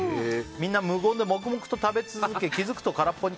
みんな無言で黙々と食べ続け気づくと空っぽに。